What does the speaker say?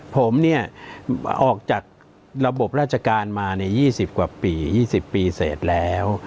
ผมเนี่ยออกจากระบบราชการมา๒๐กว่าปี๒๐ปีเสร็จแล้ว